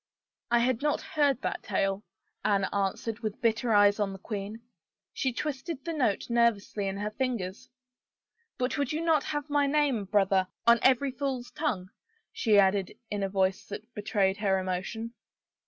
" I had not heard that tale," Anne answered with bitter eyes on the queen. She twisted the note nervously 6 6i THE FAVOR OF KINGS in her fingers. " But you would not have my name, brother, on every fool's tongue ?" she added in a voice that betrayed her emotion.